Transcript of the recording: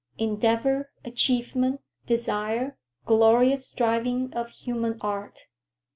Endeavor, achievement, desire, glorious striving of human art!